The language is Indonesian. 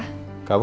kamu gak jelas ya